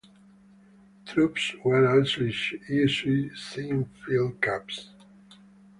Troops were also issued sewn field caps.